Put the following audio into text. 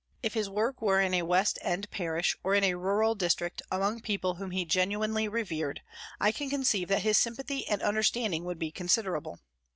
If his work were in a West End parish or in a rural district among people whom he genuinely revered, I can conceive that his sympathy and understanding would be considerable.